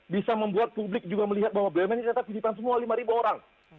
bisa membuat publik juga melihat bahwa bumn ini ternyata titipan semua lima orang